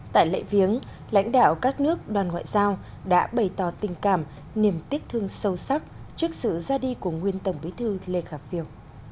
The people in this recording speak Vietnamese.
tại lễ viếng lãnh đạo các nước đoàn ngoại giao đã bày tỏ tình cảm niềm tiếc thương sâu sắc trước sự ra đi của nguyên tổng bí thư lê khả phiêu